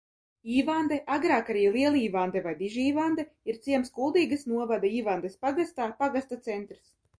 Īvande, agrāk arī Lielīvande vai Dižīvande, ir ciems Kuldīgas novada Īvandes pagastā, pagasta centrs.